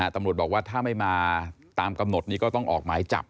ตำรวจบอกว่าถ้าไม่มาตามกำหนดนี้ก็ต้องออกหมายจับ